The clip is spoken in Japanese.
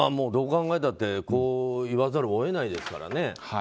どう考えたってこう言わざるを得ないですからね。